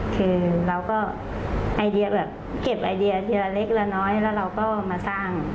คือเราก็ไอเดียแบบเก็บไอเดียทีละเล็กละน้อยแล้วเราก็มาสร้าง